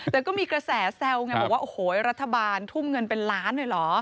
แต่ก็มีกระแสแซวไงบอกว่าโอ้โหรัฐบาลทุ่มเงินเป็นล้านเลยเหรอ